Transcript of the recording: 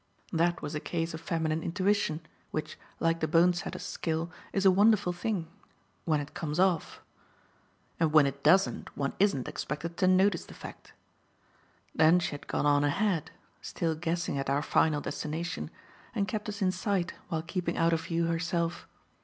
That was a case of feminine intuition; which, like the bone setter's skill, is a wonderful thing when it comes off (and when it doesn't one isn't expected to notice the fact). Then she had gone on ahead still guessing at our final destination and kept us in sight while keeping out of view herself.